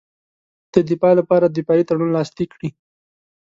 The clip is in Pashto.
د دفاع لپاره دفاعي تړون لاسلیک کړي.